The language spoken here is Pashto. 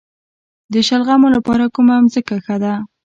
د شلغمو لپاره کومه ځمکه ښه ده؟